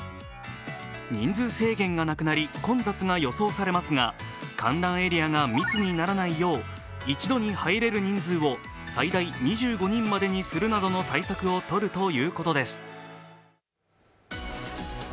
人数制限がなくなり、混雑が予想されますが観覧エリアが密にならないよう、一度に入れる人数を最大２５人までにするなどの対策をとるということです。